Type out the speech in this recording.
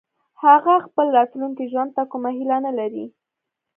هغه خپل راتلونکي ژوند ته کومه هيله نه لري